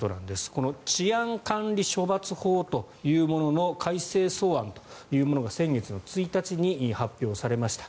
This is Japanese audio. この治安管理処罰法というものの改正草案というものが先月１日に発表されました。